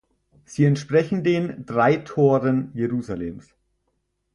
Sie entsprechen den „drei Toren“ Jerusalems.